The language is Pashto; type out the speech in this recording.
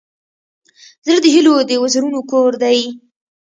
زړه د هيلو د وزرونو کور دی.